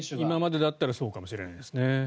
今までだったらそうかもしれないですね。